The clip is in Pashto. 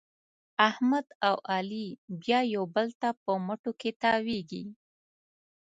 احمد او علي بیا یو بل ته په مټو کې تاوېږي.